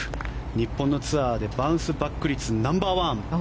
日本のツアーでバウンスバック率ナンバー１。